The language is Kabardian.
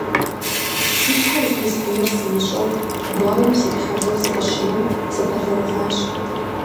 Си щхьэр здэсхьынур сымыщӀэу, гуауэм ситхьэлэу сыкъыщынэм, сыбэлэрыгъащ.